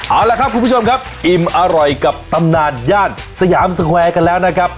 เอาละครับคุณผู้ชมครับอิ่มอร่อยกับตำนานย่านสยามสแควร์กันแล้วนะครับ